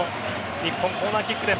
日本、コーナーキックです。